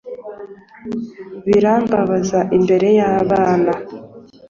birambabaza imbere yabana